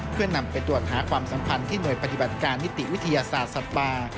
เพื่อนำไปตรวจหาความสัมพันธ์ที่หน่วยปฏิบัติการนิติวิทยาศาสตร์สัตว์ป่า